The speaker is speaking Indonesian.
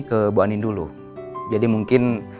ke bu ani dulu jadi mungkin